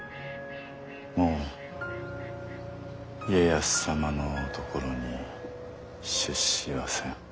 もう家康様のところに出仕はせん。